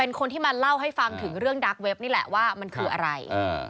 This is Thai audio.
เป็นคนที่มาเล่าให้ฟังถึงเรื่องดาร์เว็บนี่แหละว่ามันคืออะไร